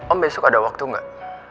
om besok ada waktu gak